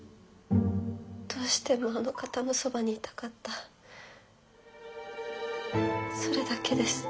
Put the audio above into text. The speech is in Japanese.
どうしてもあの方のそばにいたかったそれだけです。